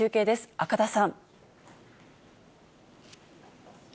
赤田さん。